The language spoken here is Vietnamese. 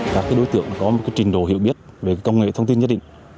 các đối tượng có một trình độ hiểu biết về công nghệ thông tin nhất định